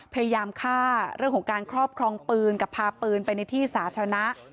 พยายามฆ่าเรื่องของการครอบครองปืนกับพาปืนไปในที่สาธารณะ